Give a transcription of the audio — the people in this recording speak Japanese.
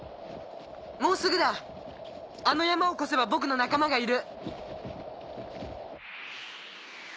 もうすぐだあの山を越せば僕の仲間がいる。